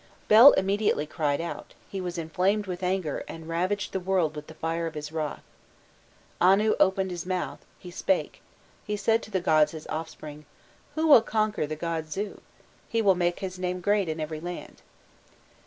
Bel immediately cried out, he was inflamed with anger, and ravaged the world with the fire of his wrath. "Anu opened his mouth, he spake, he said to the gods his offspring: 'Who will conquer the god Zu? He will make his name great in every land.